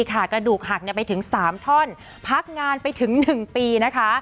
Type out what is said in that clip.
กระดูกหักไปถึง๓ท่อนพักงานไปถึง๑ปีนะคะ